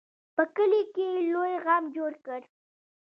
په کلي کې یې لوی غم جوړ کړ.